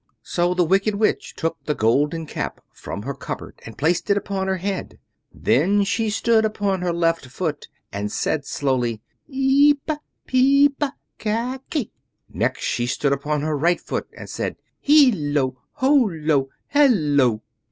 So the Wicked Witch took the Golden Cap from her cupboard and placed it upon her head. Then she stood upon her left foot and said slowly: "Ep pe, pep pe, kak ke!" Next she stood upon her right foot and said: "Hil lo, hol lo, hel lo!"